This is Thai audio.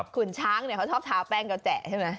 ขุนช้างเขาชอบทาแป้งกระแจใช่ไหม